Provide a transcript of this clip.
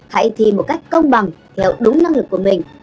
hãy thi một cách công bằng theo đúng năng lực của mình